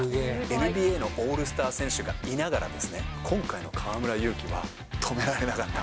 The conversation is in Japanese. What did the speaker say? ＮＢＡのオールスター選手がいながらですね、今回の河村勇輝は止められなかった。